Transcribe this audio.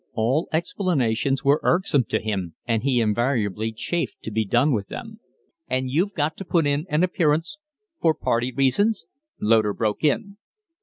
All explanations were irksome to him and he invariably chafed to be done with them. "And you've got to put in an appearance for party reasons?" Loder broke in.